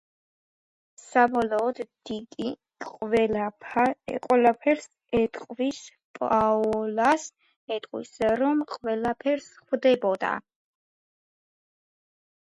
საბოლოოდ, დიკი ყველაფერს ეტყვის პაოლას, ეტყვის, რომ ყველაფერს ხვდებოდა.